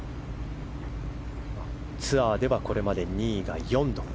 ツアーではこれまで２位が４度。